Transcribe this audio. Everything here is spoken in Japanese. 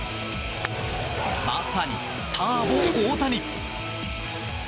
まさにターボ大谷。